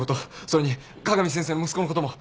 それに加賀美先生の息子のことも。